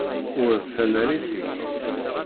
Ur d tanarit-ik.